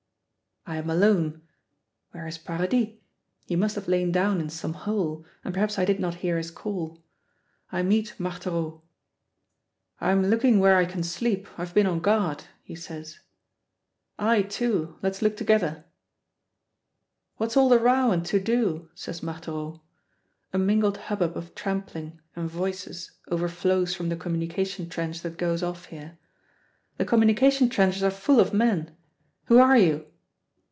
I am alone. Where is Paradis? He must have lain down in some hole, and perhaps I did not hear his call. I meet Marthereau. "I'm looking where I can sleep, I've been on guard," he says. "I, too; let's look together." "What's all the row and to do?" says Marthereau. A mingled hubbub of trampling and voices overflows from the communication trench that goes off here. "The communication trenches are full of men. Who are you?"